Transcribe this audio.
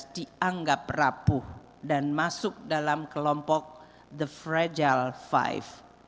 dianggap rapuh dan masuk dalam kelompok the fragile lima